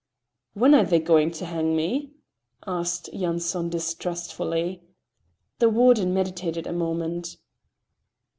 "When are they going to hang me?" asked Yanson distrustfully. The warden meditated a moment.